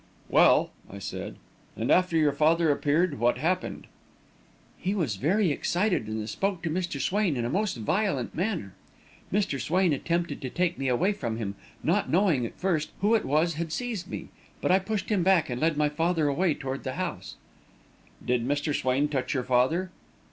"Well," I said, "and after your father appeared, what happened?" "He was very excited and spoke to Mr. Swain in a most violent manner. Mr. Swain attempted to take me away from him, not knowing, at first, who it was had seized me; but I pushed him back and led my father away toward the house." "Did Mr. Swain touch your father?"